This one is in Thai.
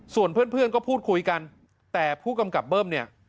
ส่วนเพื่อนก็พูดคุยกันแต่ผู้กำกับเบิ้มเนี่ย